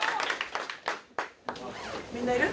みんないる？